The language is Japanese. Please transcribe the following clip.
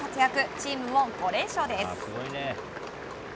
チームも５連勝です。